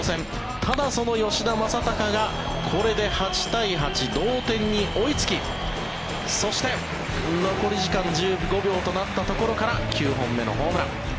ただ、その吉田正尚がこれで８対８、同点に追いつきそして、残り時間１５秒となったところから９本目のホームラン。